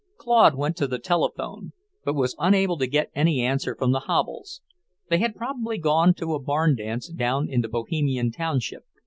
Claude went to the telephone, but was unable to get any answer from the Havels. They had probably gone to a barn dance down in the Bohemian township.